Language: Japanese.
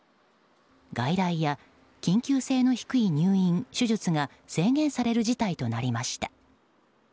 外来や緊急性の低い入院、手術が制限される事態となりました。